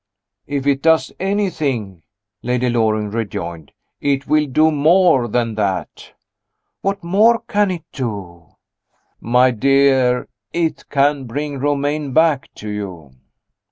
"If it does anything," Lady Loring rejoined, "it will do more than that." "What more can it do?" "My dear, it can bring Romayne back to you."